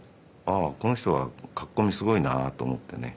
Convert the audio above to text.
「ああこの人は描き込みすごいな」と思ってね